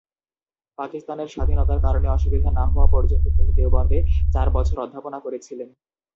পাকিস্তানের স্বাধীনতার কারণে অসুবিধা না হওয়া পর্যন্ত তিনি দেওবন্দে চার বছর অধ্যাপনা করেছিলেন।